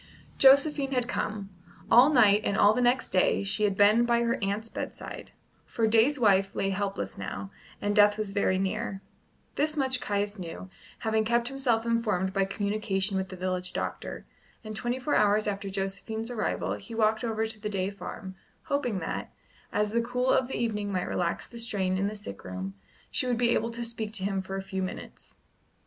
Josephine had come. All night and all the next day she had been by her aunt's bedside; for Day's wife lay helpless now, and death was very near. This much Caius knew, having kept himself informed by communication with the village doctor, and twenty four hours after Josephine's arrival he walked over to the Day farm, hoping that, as the cool of the evening might relax the strain in the sick room, she would be able to speak to him for a few minutes.